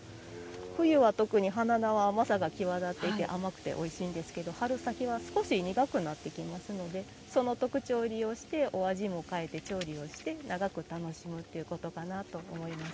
冬は特に花菜は甘さが際立っていて甘くておいしいんですが春先は少し苦くなってきますのでその特徴を利用してお味も変えて、調理をして長く楽しむということかなと思います。